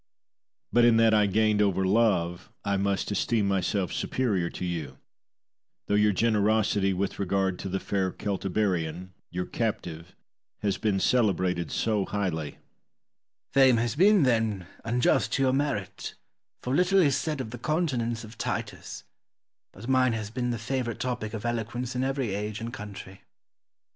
But in that I gained over love I must esteem myself superior to you, though your generosity with regard to the fair Celtiberian, your captive, has been celebrated so highly. Scipio. Fame has been, then, unjust to your merit, for little is said of the continence of Titus, but mine has been the favourite topic of eloquence in every age and country.